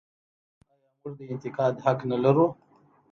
آیا موږ د انتقاد حق نلرو؟